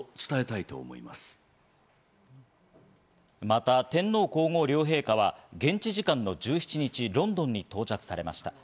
また天皇皇后両陛下は現地時間の１７日、ロンドンに到着されました。